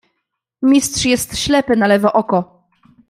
"Mistrz jest ślepy na lewe oko."